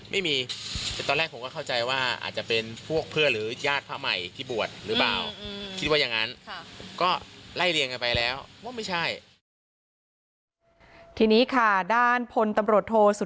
ไม่เคยเห็นหน้าด้วย